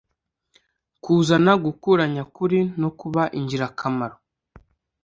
kuzana gukura nyakuri no kuba ingirakamaro.